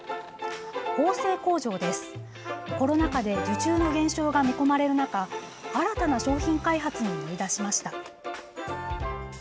コロナ禍で受注の減少が見込まれる中新たな商品開発に乗り出しました。